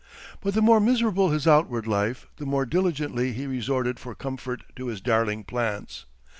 But the more miserable his outward life, the more diligently he resorted for comfort to his darling plants.